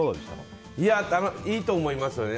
いいと思いますね。